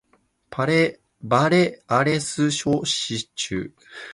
バレアレス諸島州の州都はパルマ・デ・マヨルカである